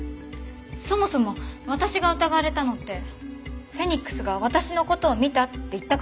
そもそも私が疑われたのってフェニックスが私の事を見たって言ったからですよね？